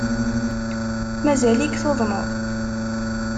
Mazal-ik tuḍneḍ?